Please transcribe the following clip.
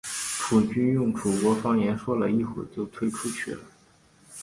楚军用楚国方言说了一会就退出去了。